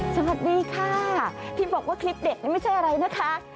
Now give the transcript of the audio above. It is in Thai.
สวัสดีค่ะที่บอกว่าคลิปเด็ดนี่ไม่ใช่อะไรนะคะ